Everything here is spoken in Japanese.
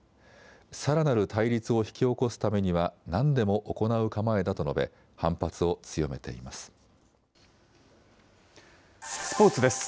さらなる対立を引き起こすためにはなんでも行う構えだと述べ、反スポーツです。